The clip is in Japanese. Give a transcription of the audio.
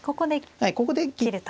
はいここで切って。